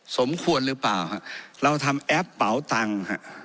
สมควรหรือเปล่าฮะเราทำแอปเป๋าตังค์ฮะ